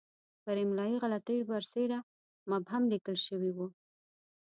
پر املایي غلطیو برسېره مبهم لیکل شوی وو.